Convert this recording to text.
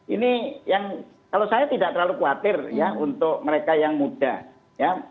ini yang kalau saya tidak terlalu khawatir ya untuk mereka yang muda ya